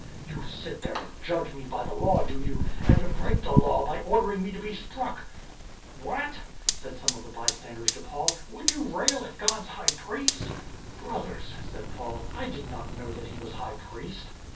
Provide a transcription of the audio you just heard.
You sit there to judge me by the Law, do you ? And you break the Law by ordering me to be struck !"" What," said some of the bystanders to Paul, " would you rail at God's high priest ?"" Brothers," said Paul, " I did not know that he was high priest."